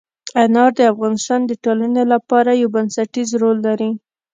انار د افغانستان د ټولنې لپاره یو بنسټيز رول لري.